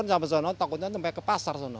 ini kan sampai sono takutnya sampai ke pasar sono